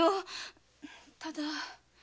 ただ。